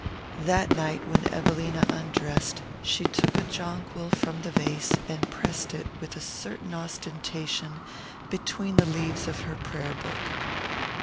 That night when Evelina undressed she took a jonquil from the vase and pressed it with a certain ostentation between the leaves of her prayer book.